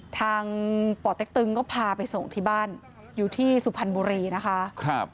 ทางป่อเต็กตึงก็พาไปส่งที่บ้านอยู่ที่สุพรรณบุรีนะคะ